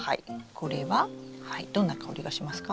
これはどんな香りがしますか？